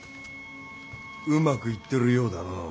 うまくいっとるようだのう。